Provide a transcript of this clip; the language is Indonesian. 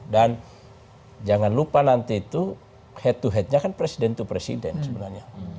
dan jangan lupa nanti itu head to head nya kan presiden to presiden sebenarnya